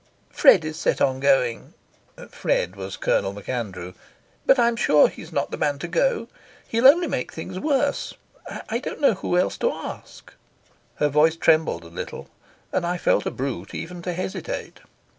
"Fred is set on going." Fred was Colonel MacAndrew. "But I'm sure he's not the man to go. He'll only make things worse. I don't know who else to ask." Her voice trembled a little, and I felt a brute even to hesitate.